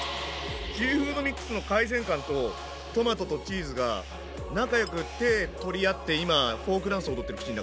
シーフードミックスの海鮮感とトマトとチーズが仲良く手取り合って今フォークダンス踊ってる口の中で。